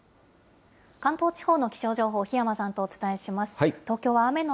関東地方の気象情報、檜山さんとお伝えします。